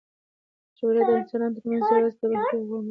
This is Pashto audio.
جګړه د انسانانو ترمنځ یوازې د تباهۍ پیغام رسوي.